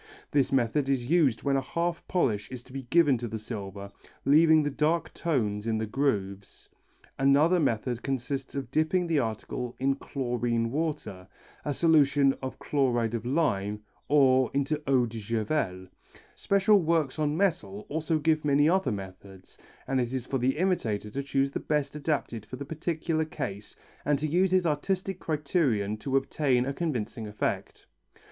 This method is used when a half polish is to be given to the silver, leaving the dark tones in the grooves. Another method consists of dipping the article into chlorine water, a solution of chloride of lime, or into eau de Javelle. Special works on metals also give many other methods and it is for the imitator to chose the best adapted for the particular case and to use his artistic criterion to obtain a convincing effect.